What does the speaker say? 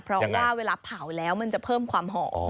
เพราะว่าเวลาเผาแล้วมันจะเพิ่มความหอม